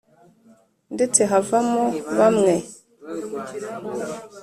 ndetse havamo bamwe